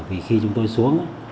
vì khi chúng tôi xuống